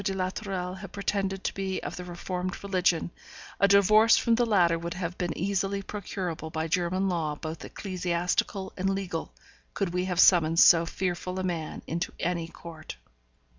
de la Tourelle had pretended to be of the reformed religion, a divorce from the latter would have been easily procurable by German law both ecclesiastical and legal, could we have summoned so fearful a man into any court.